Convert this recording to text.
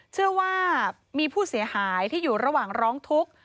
เชื่อว่ามีผู้เสียหายที่อยู่ระหว่างร้องทุกข์